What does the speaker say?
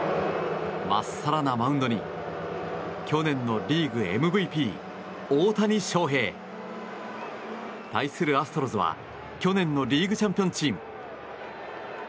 まっさらなマウンドに去年のリーグＭＶＰ、大谷翔平。対するアストロズは、去年のリーグチャンピオンチーム。